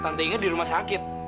tante inge di rumah sakit